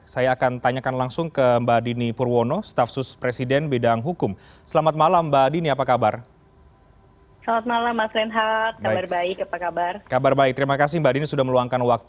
saya akan tanyakan langsung ke mbak dini purwono